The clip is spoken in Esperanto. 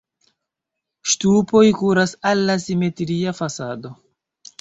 Ŝtupoj kuras al la simetria fasado.